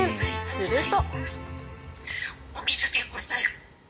すると。